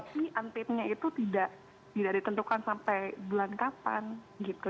tapi unpadnya itu tidak ditentukan sampai bulan kapan gitu